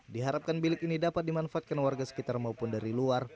diharapkan bilik ini dapat dimanfaatkan warga sekitar maupun dari luar